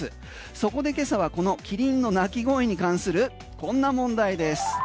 そこで今朝はこのキリンの鳴き声に関するこんな問題です。